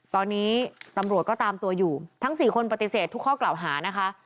ตอนนี้ตำรวจก็ตามตัวอยู่ทั้ง๔คนปฏิเสธทุกข้อกล่าวหานะคะ